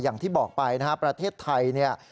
อย่างที่บอกไปนะครับประเทศไทยเนี่ย